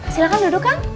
silahkan duduk kang